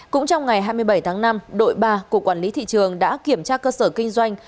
cũng trong ngày hai mươi bảy tháng năm đội ba cục quản lý thị trường đã kiểm tra cơ sở kinh doanh